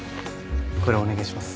これお願いします。